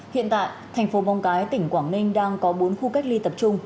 hiện tại thành phố móng cái tỉnh quảng ninh đang có bốn khu cách ly tập trung